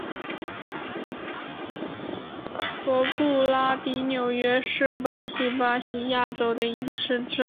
索布拉迪纽是巴西巴伊亚州的一个市镇。